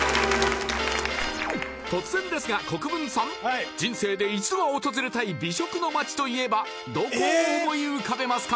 突然ですが国分さん人生で一度は訪れたい美食の街といえばどこを思い浮かべますか？